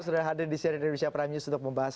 sudah hadir di cnn indonesia prime news untuk membahas